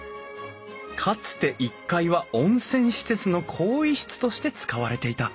かつて１階は温泉施設の更衣室として使われていた。